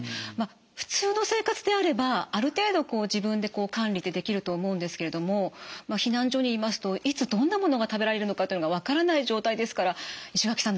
普通の生活であればある程度自分で管理ってできると思うんですけれども避難所にいますといつどんなものが食べられるのかが分からない状態ですから石垣さん